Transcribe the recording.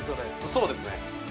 そうですね